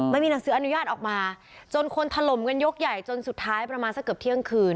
ไม่มีหนังสืออนุญาตออกมาจนคนถล่มกันยกใหญ่จนสุดท้ายประมาณสักเกือบเที่ยงคืน